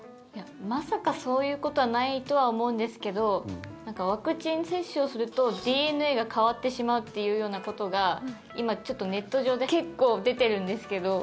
まさか、そういうことはないとは思うんですけどワクチン接種をするとＤＮＡが変わってしまうというようなことが今、ネット上で結構出てるんですけど。